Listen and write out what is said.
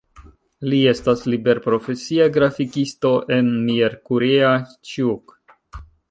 Li estas liberprofesia grafikisto en Miercurea Ciuc.